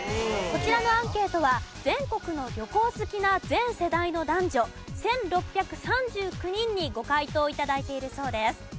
こちらのアンケートは全国の旅行好きな全世代の男女１６３９人にご回答頂いているそうです。